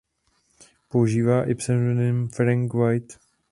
Používá i pseudonym Frank White.